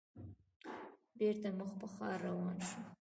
بېرته مخ په ښار روان شوو.